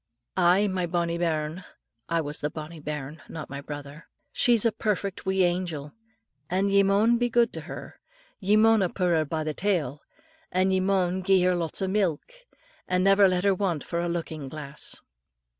"Aye, my bonnie bairn," I was the bonnie bairn, not my brother, "she's a perfect wee angel, and ye maun be good till her; ye maunna pu' her by the tail, and ye maun gie her lots o' milk, and never let her want for a lookin' glass."